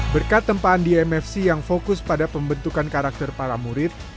berkat tempaan di mfc yang fokus pada pembentukan karakter para murid